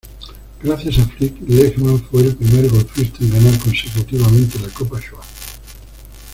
Gracias a Flick, Lehman fue el primer golfista en ganar consecutivamente la Copa Schwab.